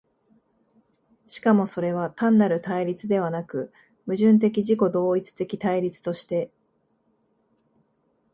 しかもそれは単なる対立ではなく、矛盾的自己同一的対立として、